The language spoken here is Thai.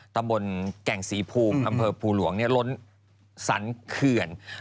ตำบลแก่งศรีภูมิอำเภอภูหลวงล้นสรรเขื่อน